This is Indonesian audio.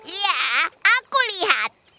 iya aku lihat